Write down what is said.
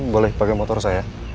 boleh pakai motor saya